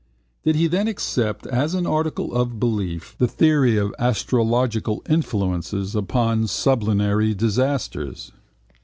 Did he then accept as an article of belief the theory of astrological influences upon sublunary disasters?